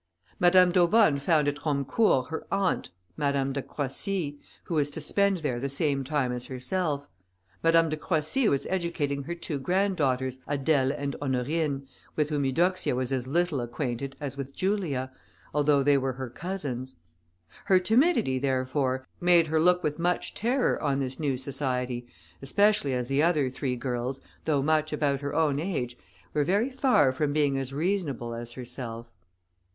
Madame d'Aubonne found at Romecourt her aunt, Madame de Croissy, who was to spend there the same time as herself. Madame de Croissy was educating her two granddaughters, Adèle and Honorine, with whom Eudoxia was as little acquainted as with Julia, although they were her cousins. Her timidity, therefore, made her look with much terror on this new society, especially as the other three girls, though much about her own age, were very far from being as reasonable as herself.